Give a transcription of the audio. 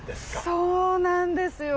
そうなんですよ。